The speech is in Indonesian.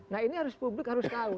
nah ini harus publik harus tahu